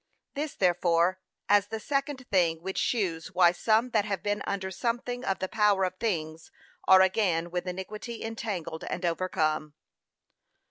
This therefore as the second thing which shews why some that have been under something of the power of things, are again with iniquity entangled and overcome.